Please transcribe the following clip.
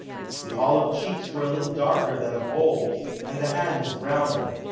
The olive cheeks were a little darker than of old, and the hands browner.